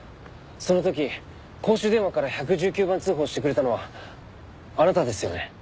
その時公衆電話から１１９番通報してくれたのはあなたですよね？